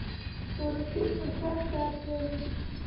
پروټون مثبت چارج لري.